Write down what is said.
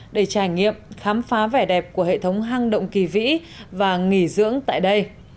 để trải nghiệm khám phá vẻ đẹp của hệ thống hang động kỳ vĩ và nghỉ dưỡng tại đây